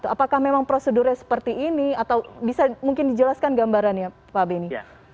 apakah memang prosedurnya seperti ini atau bisa mungkin dijelaskan gambarannya pak beni